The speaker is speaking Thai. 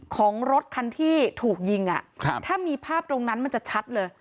ของรถคันที่ถูกยิงถ้ามีภาพตรงนั้นมันจะชัดเลย